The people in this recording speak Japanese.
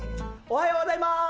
おはようございます！